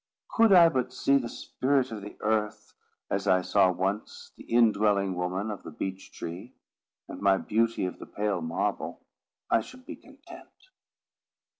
Could I but see the Spirit of the Earth, as I saw once the indwelling woman of the beech tree, and my beauty of the pale marble, I should be content.